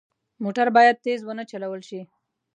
موټر باید تېز نه وچلول شي.